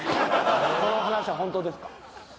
その話は本当ですか？